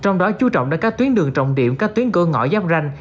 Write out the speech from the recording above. trong đó chú trọng đến các tuyến đường trọng điểm các tuyến cơ ngõ giáp ranh